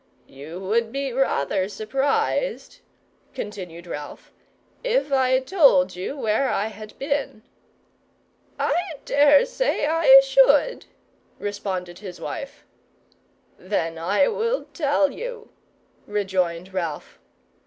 "You would be rather surprised," continued Ralph, "if I told you where I had been." "I dare say I should," responded his wife. "Then I will tell you," rejoined Ralph.